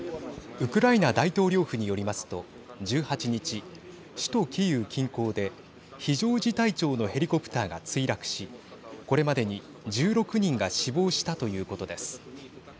ウクライナ大統領府によりますと１８日、首都キーウ近郊で非常事態庁のヘリコプターが墜落しこれまでに１６人が死亡したということです。